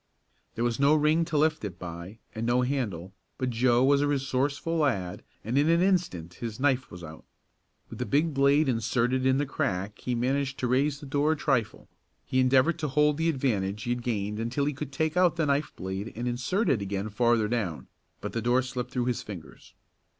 There was no ring to lift it by, and no handle, but Joe was a resourceful lad and in an instant his knife was out. With the big blade inserted in the crack he managed to raised the door a trifle. He endeavored to hold the advantage he had gained until he could take out the knife blade and insert it again farther down, but the door slipped through his fingers.